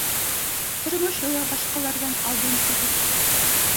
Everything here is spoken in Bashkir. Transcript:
Тормошо ла башҡаларҙан алдын түгел